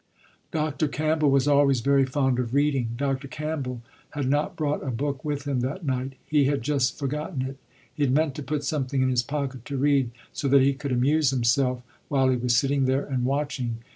Dr. Campbell was always very fond of reading. Dr. Campbell had not brought a book with him that night. He had just forgotten it. He had meant to put something in his pocket to read, so that he could amuse himself, while he was sitting there and watching.